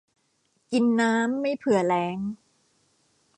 กินน้ำไม่เผื่อแล้ง